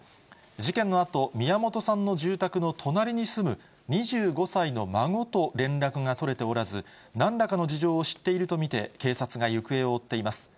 事件のあと、宮本さんの住宅の隣に住む２５歳の孫と連絡が取れておらず、なんらかの事情を知っていると見て、警察が行方を追っています。